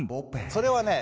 それはね